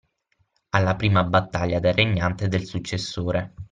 Alla prima battaglia da regnante del successore.